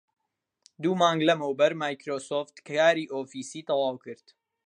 دوو مانگ لەمەوبەر مایکرۆسۆفت کاری ئۆفیسی تەواو کرد